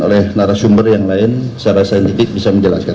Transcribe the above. oleh narasumber yang lain secara saintifik bisa menjelaskan